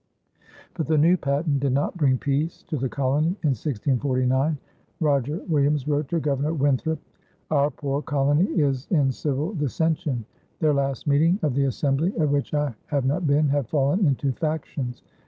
But the new patent did not bring peace to the colony. In 1649, Roger Williams wrote to Governor Winthrop: "Our poor colony is in civil dissension. Their last meeting [of the assembly] at which I have not been, have fallen into factions.